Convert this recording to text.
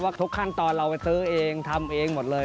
ทุกขั้นตอนเราไปซื้อเองทำเองหมดเลย